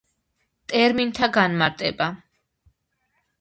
ტერმინთა განარტება.